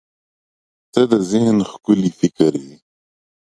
• ته د ذهن ښکلي فکر یې.